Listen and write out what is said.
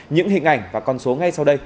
những hình ảnh và con số ngay sau đây